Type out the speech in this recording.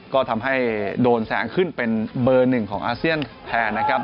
ก็ทำให้โดนแสงขึ้นเป็นเบอร์หนึ่งของอาเซียนแทนนะครับ